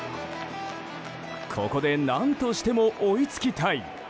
ここで何としても追いつきたい。